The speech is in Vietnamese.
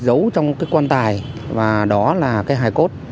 giấu trong cái quan tài và đó là cái hài cốt